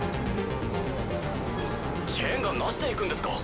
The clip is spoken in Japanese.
チェーンガンなしでいくんですか？